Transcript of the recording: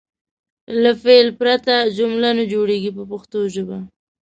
له فعل پرته جمله نه جوړیږي په پښتو ژبه.